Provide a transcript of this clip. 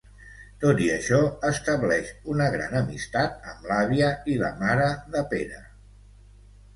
Tot i això, estableix una gran amistat amb l'àvia i la mare de Pere.